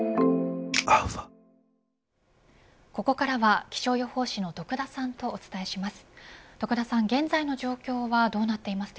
ここからは気象予報士の徳田さんとお伝えします。